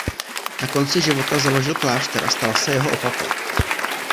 Na konci života založil klášter a stal se jeho opatem.